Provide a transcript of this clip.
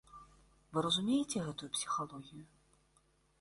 Вы разумееце гэтую псіхалогію?